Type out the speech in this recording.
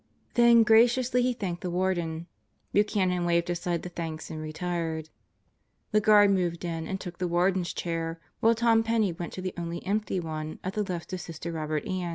Then graciously he thanked the Warden. Buchanan waved aside the thanks and retired. The guard moved in and took the Warden's chair while Tom Penney went to the only empty one at the left of Sister Robert Ann.